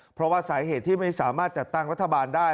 เพราะว่าสาเหตุที่ไม่สามารถจัดตั้งรัฐบาลได้